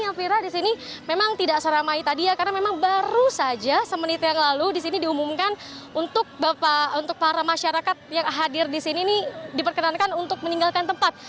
elvira disini memang tidak seramai tadi ya karena memang baru saja semenit yang lalu disini diumumkan untuk para masyarakat yang hadir disini ini diperkenankan untuk meninggalkan tempat